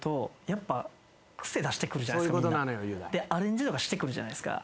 アレンジとかしてくるじゃないですか。